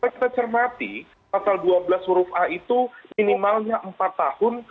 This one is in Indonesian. kita cermati pasal dua belas huruf a itu minimalnya empat tahun